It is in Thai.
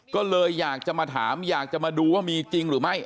ก็เลยอยากจะมาถามอยากจะมาดูว่ามีจริงหรือไม่